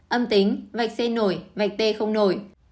âm tính vạch c nổi vạch t không nổi